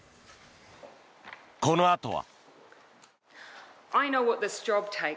このあとは。